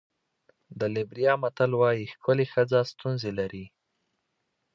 د لېبریا متل وایي ښکلې ښځه ستونزې لري.